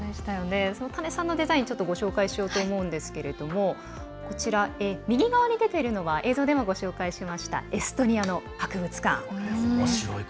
田根さんのデザインご紹介しようと思うんですけれど右側に出ているのが映像でもご紹介しましたエストニアの博物館。